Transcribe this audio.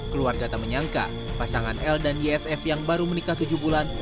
keluarga tak menyangka pasangan l dan ysf yang baru menikah tujuh bulan